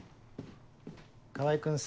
川合君さ